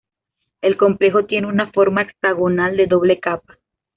El complejo tiene una forma hexagonal de doble capa.